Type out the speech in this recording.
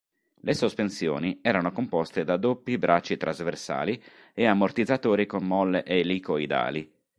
Le sospensioni erano composte da doppi bracci trasversali e ammortizzatori con molle elicoidali.